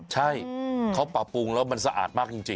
ใช่เขาปรับปรุงแล้วมันสะอาดมากจริง